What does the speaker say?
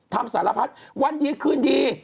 สารพัดวันดีคืนดี